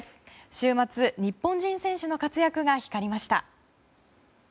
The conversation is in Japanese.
週末、日本人選手の活躍が光りました。